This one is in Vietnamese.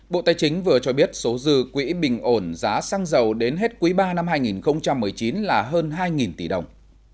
bộ tài chính vừa cho biết số dư quỹ bình ổn giá xăng dầu đến hết quý ba năm hai nghìn một mươi chín là hơn hai tỷ đồng